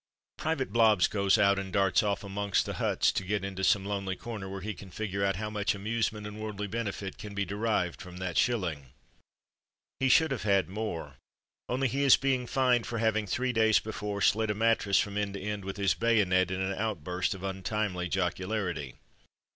Private Blobbs goes out and darts off amongst the huts to get into some lonely corner where he can figure out how much amusement and worldly benefit can be derived from that shilling. He should have 30 From Mud to Mufti had more, only he is being fined for having three days before sHt a mattress from end to end with his bayonet, in an outburst of untimely jocularity.